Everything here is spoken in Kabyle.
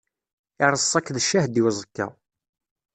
Irṣa-k d ccahed i uẓekka.